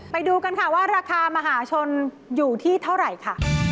ไปดูกันค่ะว่าราคามหาชนอยู่ที่เท่าไหร่ค่ะ